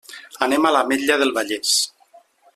Anem a l'Ametlla del Vallès.